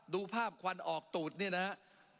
ดูภาพควันออกตูดเนี่ยนะฮะ